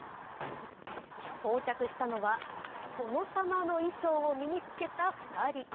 到着したのは殿様の衣装を身につけた２人。